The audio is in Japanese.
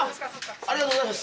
ありがとうございます！